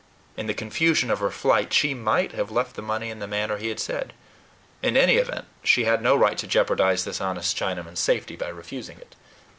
In the confusion of her flight, she MIGHT have left the money in the manner he had said. In any event, she had no right to jeopardize this honest Chinaman's safety by refusing it.